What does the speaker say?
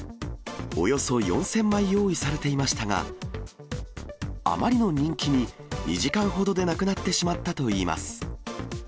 およそ４０００枚用意されていましたが、あまりの人気に、２時間ほどでなくなってしまったといいます。